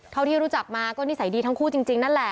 ที่รู้จักมาก็นิสัยดีทั้งคู่จริงนั่นแหละ